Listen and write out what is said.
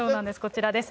こちらです。